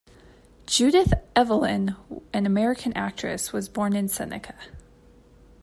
Judith Evelyn, an American actress, was born in Seneca.